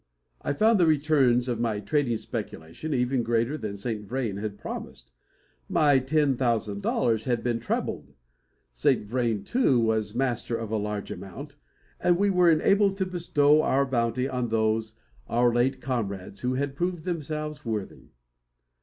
I found the returns of my trading speculation even greater than Saint Vrain had promised. My ten thousand dollars had been trebled. Saint Vrain, too, was master of a large amount; and we were enabled to bestow our bounty on those of our late comrades who had proved themselves worthy.